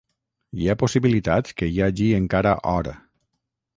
Hi ha possibilitats que hi hagi encara or.